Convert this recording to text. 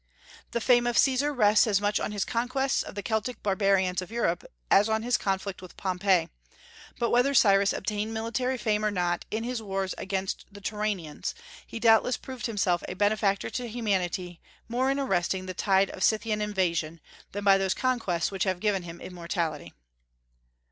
The fame of Caesar rests as much on his conquests of the Celtic barbarians of Europe as on his conflict with Pompey; but whether Cyrus obtained military fame or not in his wars against the Turanians, he doubtless proved himself a benefactor to humanity more in arresting the tide of Scythian invasion than by those conquests which have given him immortality.